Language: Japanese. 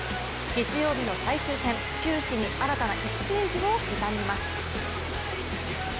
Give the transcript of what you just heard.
月曜日の最終戦球史に新たな１ページを刻みます。